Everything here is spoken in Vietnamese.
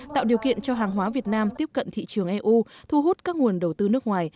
tạo điều kiện cho hàng hóa việt nam tiếp cận thị trường eu thu hút các nguồn đầu tư nước ngoài